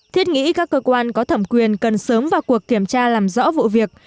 thiết nghĩ các cơ quan có thẩm quyền cần sớm vào cuộc kiểm tra làm rõ vụ việc